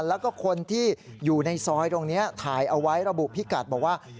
แล้วก็คนที่อยู่ในซอยตรงนี้ถ่ายเอาไว้ระบุพิกัดบอกว่า